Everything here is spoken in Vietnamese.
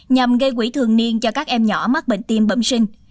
nhằm gây quỹ thường niên cho các em nhỏ mắc bệnh tim bẩm sinh